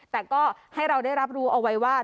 แต่ก็ให้เราได้รับรู้เอาไว้ว่า